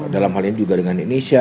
dalam hal ini juga dengan indonesia